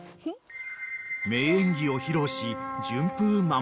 ［名演技を披露し］